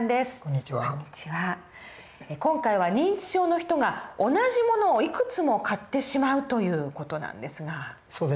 今回は認知症の人が同じ物をいくつも買ってしまうという事なんですが。